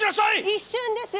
一瞬ですよ！